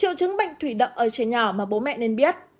triệu chứng bệnh thủy đậm ở trẻ nhỏ mà bố mẹ nên biết